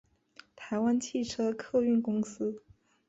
台湾汽车客运公司